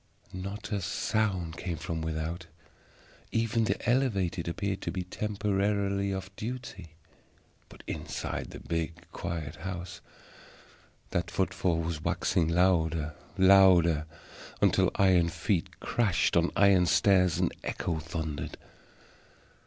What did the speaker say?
Not a sound came from without, even the Elevated appeared to be temporarily off duty; but inside the big quiet house that footfall was waxing louder, louder, until iron feet crashed on iron stairs and echo thundered.